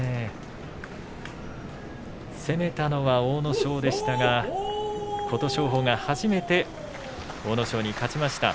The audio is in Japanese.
攻めたのは阿武咲でしたが琴勝峰、初めて阿武咲に勝ちました。